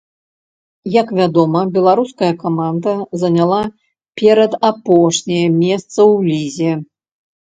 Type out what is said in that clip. Як вядома, беларуская каманда заняла перадапошняе месца ў лізе.